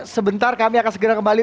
sebentar kami akan segera kembali